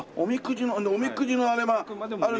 おみくじのあれもあるんですね。